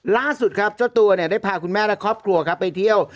ล่าสุดครับเจ้าตัวเนี่ยได้พาคุณแม่และครอบครัวครับไปเที่ยว